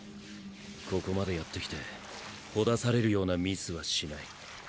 ここまでやってきて絆されるようなミスはしない。